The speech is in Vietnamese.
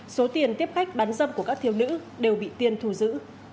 số tiền tiếp khách bán dâm của các thiếu nữ đều bị tiên thu giữ